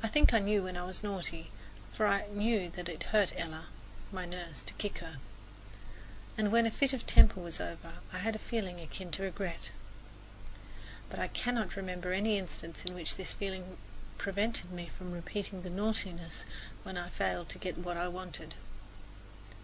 I think I knew when I was naughty, for I knew that it hurt Ella, my nurse, to kick her, and when my fit of temper was over I had a feeling akin to regret. But I cannot remember any instance in which this feeling prevented me from repeating the naughtiness when I failed to get what I wanted.